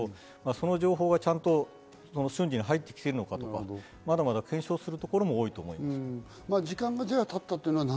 その情報が瞬時に入ってきているのかなど、まだまだ検証することも多いと思います。